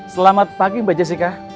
selamat pagi mbak jessica